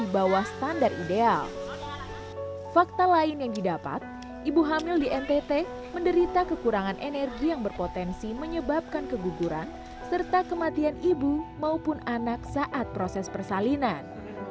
berita kekurangan energi yang berpotensi menyebabkan keguguran serta kematian ibu maupun anak saat proses persalinan